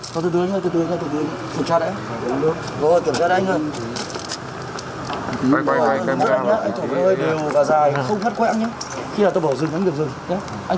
chúng tôi thuộc tổ đặc biệt của công an tỉnh